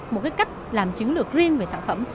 một cái cách làm chứng lực riêng về sản phẩm